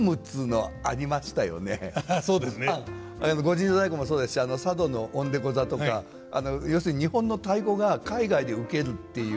御陣乗太鼓もそうですし佐渡の鬼太鼓座とか要するに日本の太鼓が海外で受けるっていう。